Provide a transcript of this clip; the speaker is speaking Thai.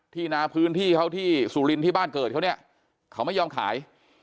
นาพื้นที่เขาที่สุรินทร์ที่บ้านเกิดเขาเนี่ยเขาไม่ยอมขาย